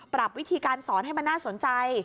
ปรับวิธีการสอนให้มันน่าสนใจ